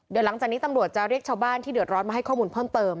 เดี๋ยวหลังจากนี้ตำรวจจะเรียกชาวบ้านที่เดือดร้อนมาให้ข้อมูลเพิ่มเติม